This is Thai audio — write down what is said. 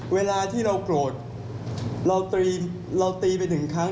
เวลาที่เราโกรธเราตรีเราตีไปหนึ่งครั้ง